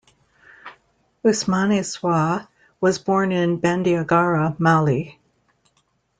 Ousmane Sy was born in Bandiagara, Mali.